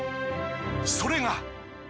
それが。